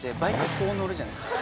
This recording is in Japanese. こう乗るじゃないですか。